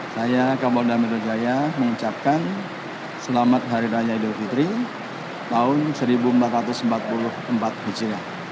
saya kapolda medojaya mengucapkan selamat hari raya idul fitri tahun seribu empat ratus empat puluh empat kecil ya